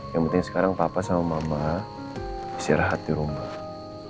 yang penting sekarang papa sama mama istirahat di rumah